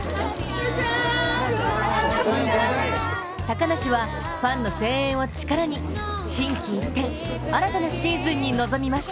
高梨は、ファンの声援を力に心機一転、新たなシーズンに臨みます。